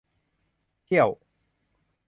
เที่ยว